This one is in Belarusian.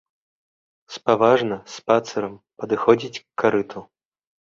Спаважна, спацырам падыходзіць к карыту.